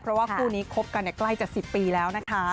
เพราะว่าคู่นี้คบกันใกล้จะ๑๐ปีแล้วนะคะ